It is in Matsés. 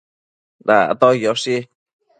Dactoquioshi